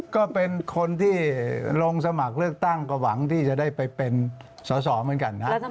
ก็เป็นคนที่ลงสมัครเลือกตั้งก็หวังที่จะได้ไปเป็นสอสอเหมือนกันนะครับ